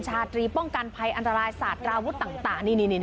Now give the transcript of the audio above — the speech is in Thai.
ชาตรีป้องกันภัยอันตรายศาสตราวุฒิต่างนี่